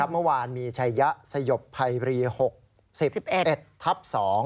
เมื่อวานมีชัยยะสยบภัยบรี๖๔๑๑ทับ๒